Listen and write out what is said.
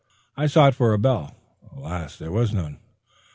I sought for a bell. Alas, there was none!